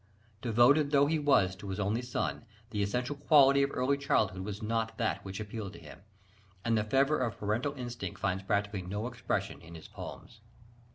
Devoted though he was to his only son, "the essential quality of early childhood was not that which appealed to him:" and the fervour of parental instinct finds practically no expression in his poems.